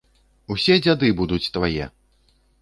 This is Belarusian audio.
Усе дзяды будуць твае!